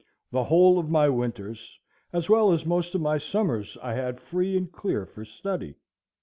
The whole of my winters, as well as most of my summers, I had free and clear for study.